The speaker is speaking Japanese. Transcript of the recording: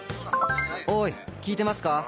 「おい聞いてますか？」。